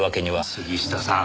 杉下さん